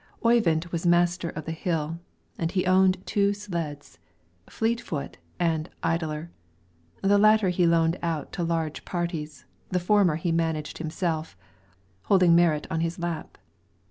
Oyvind was master of the hill, and he owned two sleds, "Fleet foot" and "Idler;" the latter he loaned out to larger parties, the former he managed himself, holding Marit on his lap.